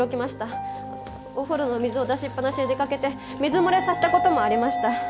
お風呂の水を出しっぱなしに出掛けて水漏れさせた事もありました。